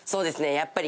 やっぱり。